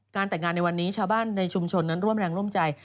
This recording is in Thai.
แต่งงานในวันนี้ชาวบ้านในชุมชนนั้นร่วมแรงร่วมใจ